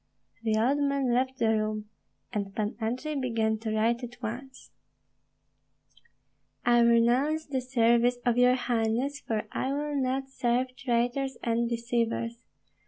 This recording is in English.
The old man left the room, and Pan Andrei began to write at once: I renounce the service of your highness, for I will not serve traitors and deceivers.